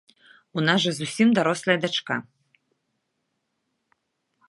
У нас жа зусім дарослая дачка.